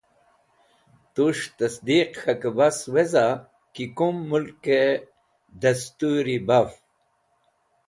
Tus̃h tasdiq k̃hakẽ bas weza ki kum mulkẽ dẽstũri baf.